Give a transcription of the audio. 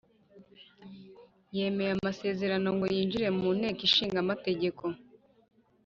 yemeye Amasezerano ngo yinjire mu Nteko Ishinga Amategeko